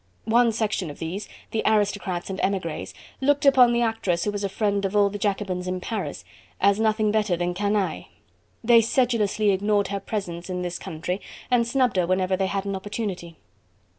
One section of these the aristocrats and emigres looked upon the actress who was a friend of all the Jacobins in Paris as nothing better than canaille. They sedulously ignored her presence in this country, and snubbed her whenever they had an opportunity.